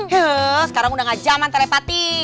heeh sekarang udah gak jaman telepati